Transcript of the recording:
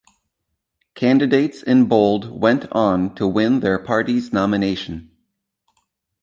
Candidates in bold went on to win their party's nomination.